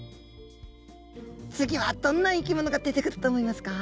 次はどんな生き物が出てくると思いますか？